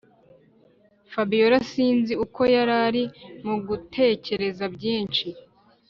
fabiora sinzi uko yarari mugutekereza byinshi